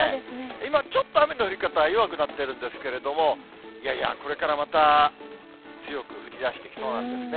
今、ちょっと雨の降り方、弱くなってるんですけれども、いやいや、これからまた、強く降りだしてきそうなんですね。